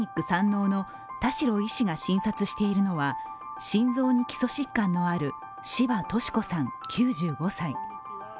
山王の田代医師が診察しているのは心臓に基礎疾患のある柴利子さん９５歳。